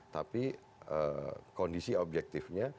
tapi kondisi objektifnya